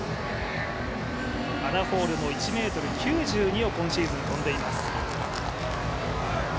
アナ・ホールも１ｍ９２を今シーズン跳んでいます。